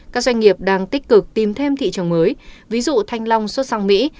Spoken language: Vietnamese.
các doanh nghiệp đang tích cực tìm thêm thị trường mới ví dụ thanh long xuất sang mỹ